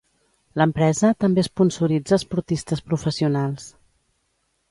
L'empresa també esponsoritza esportistes professionals.